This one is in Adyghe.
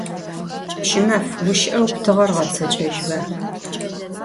Pşımaf, guşı'eu ptığer ğetseç'ejba.